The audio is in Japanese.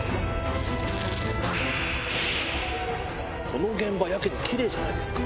この現場やけにキレイじゃないですか？